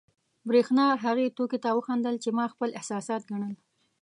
برېښنا هغې ټوکې ته وخندل، چې ما خپل احساسات ګڼل.